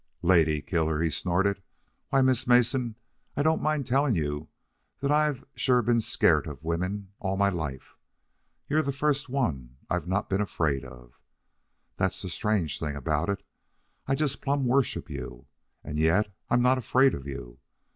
"Lady killer!" he snorted. "Why, Miss Mason, I don't mind telling you that I've sure been scairt of women all my life. You're the first one I've not been afraid of. That's the strange thing about it. I just plumb worship you, and yet I'm not afraid of you.